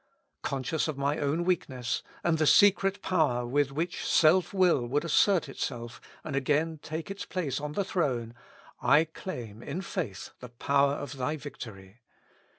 Conscious of my own weakness, and the secret power with which self will would assert itself and again take its place on tlie throne, I claim in faith the power of Thy victory.